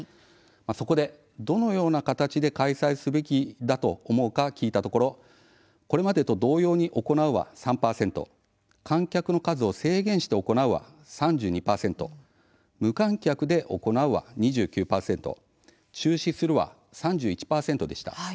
そこでどのような形で開催すべきだと思うか聞いたところこれまでと同様に行うは３％観客の数を制限して行うは３２％無観客で行う、は２９％中止するは３１％でした。